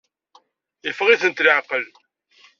Yeffeɣ-itent leɛqel.